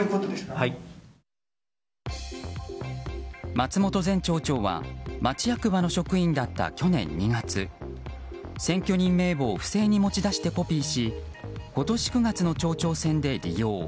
松本前町長は町役場の職員だった去年２月選挙人名簿を不正に持ち出してコピーし今年９月の町長選で利用。